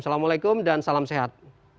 assalamualaikum dan salam sehat